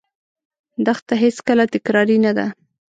دښته هېڅکله تکراري نه ده.